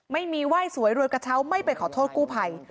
ไม่มีว่ายสวยรวดกระเท้าไม่ไปขอโทษกู้ไพ